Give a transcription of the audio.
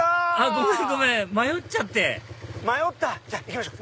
ごめんごめん迷っちゃって行きましょう！